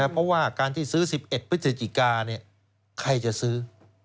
เพราะว่าการที่ซื้อ๑๑พฤศจิกาใครจะซื้อ